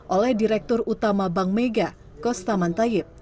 oleh direktur utama bank mega kostaman tayyib